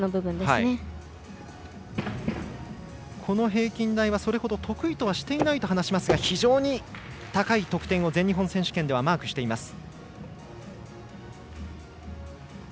平均台はそれほど得意としていないと話しますが非常に高い得点を全日本選手権ではマークしています。